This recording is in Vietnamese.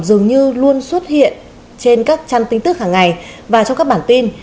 dường như luôn xuất hiện trên các trang tin tức hàng ngày và trong các bản tin